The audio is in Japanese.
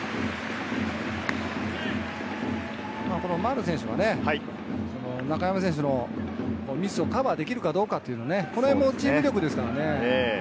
丸選手は中山選手のミスをカバーできるかどうかっていう、このへんもチーム力ですからね。